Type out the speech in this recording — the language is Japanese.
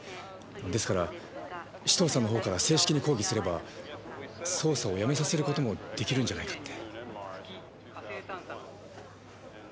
ですから紫藤さんのほうから正式に抗議すれば捜査をやめさせる事もできるんじゃないかって。